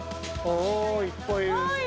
◆いっぱいいる。